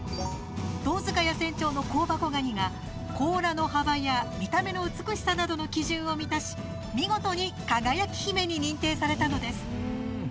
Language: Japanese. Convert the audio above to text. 遠塚谷船長の香箱ガニが甲羅の幅や見た目の美しさなどの基準を満たし、見事に輝姫に認定されたのです。